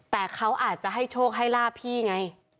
แต่เขาอาจจะให้โชคให้ลาบพี่ไง